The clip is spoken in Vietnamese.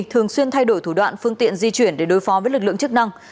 thường xuyên thay đổi thủ đoạn phương tiện di chuyển để đối phó với lực lượng chức năng